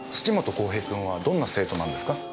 公平君はどんな生徒なんですか？